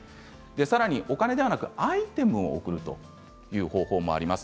お金ではなくアイテムを送るという方法もあります。